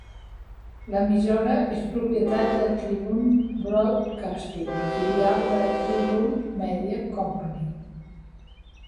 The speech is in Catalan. L'emissora és propietat Tribune Broadcasting, filial de Tribune Media Company.